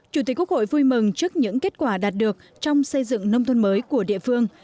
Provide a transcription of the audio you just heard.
chủ tịch quốc hội vui mừng trước những kết quả đạt được trong xây dựng nông thôn mới của địa phương